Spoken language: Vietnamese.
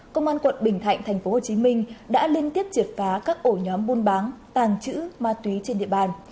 công an quận bình thạnh tp hcm đã liên tiếp triệt phá các ổ nhóm buôn bán tàng trữ ma túy trên địa bàn